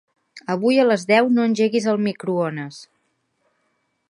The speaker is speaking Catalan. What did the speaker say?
Avui a les deu no engeguis el microones.